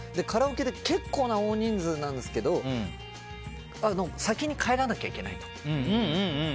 カラオケで結構な大人数なんですけど先に帰らなきゃいけないと。